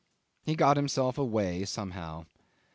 He got himself away somehow.